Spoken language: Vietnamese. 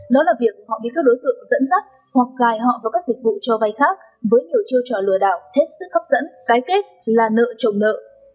đó là việc họ bị các đối tượng dẫn dắt hoặc gài họ vào các dịch vụ cho vay khác với nhiều chiêu trò lừa đảo hết sức hấp dẫn cái kết là nợ trồng nợ